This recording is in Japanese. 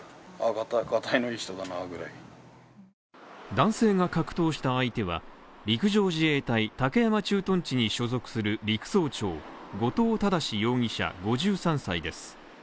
男性が格闘した相手は、陸上自衛隊武山駐屯地に所属する陸曹長・後藤正容疑者５３歳です。